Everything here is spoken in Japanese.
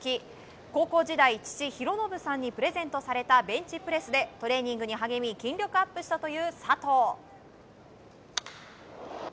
高校時代、父・博信さんにプレゼントされたベンチプレスでトレーニングに励み筋力アップしたという佐藤。